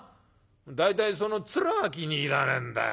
大体その面が気に入らねえんだよ